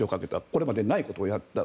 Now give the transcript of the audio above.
これまでにないことをやった。